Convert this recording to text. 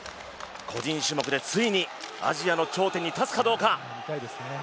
個人種目でついにアジアの頂点に立つかどうか。